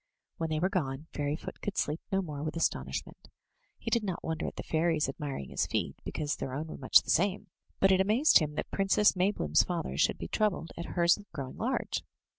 When they were gone, Fairyfoot could sleep no more with astonishment. He did not wonder at the fairies admiring his feet, because their own were much the same; but it amazed him that Princess Maybloom*s father should be troubled at hers growing large.